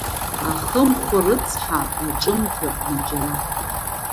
Ахымхәа рыцҳа, аҿымҭраҟны џьара…